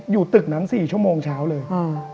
อยู่ตึกนั้น๔ชั่วโมงเช้าเลย